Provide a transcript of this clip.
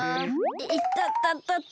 いたたたた。